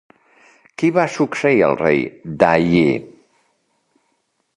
Qui va succeir el Rei Da Yi?